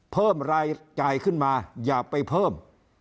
เพิ่มรายจ่ายขึ้นมาอย่าไปเพิ่ม